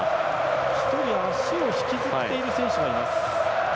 １人、足を引きずっている選手がいます。